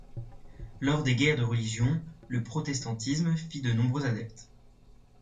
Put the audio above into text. Lors des guerres de religion, le protestantisme fit de nombreux adeptes.